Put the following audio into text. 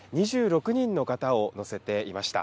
２６人の方を乗せていました。